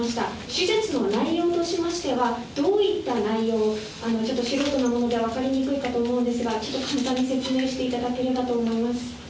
手術の内容としましては、どういった内容、ちょっと素人なもので分かりにくいかと思うんですが、簡単に説明していただければと思います。